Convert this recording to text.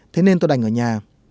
thế nên tôi đành ở nhà